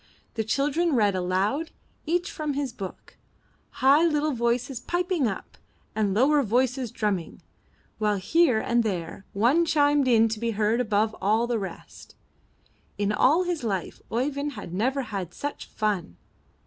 The children read aloud, each from his book, high little voices piping up, and lower voices drumming, while here and there one chimed in to be heard above all the rest. In all his life Oeyvind had never had such fun.